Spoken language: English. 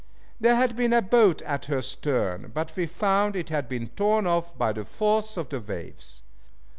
There had been a boat at her stern, but we found it had been torn off by the force of the waves.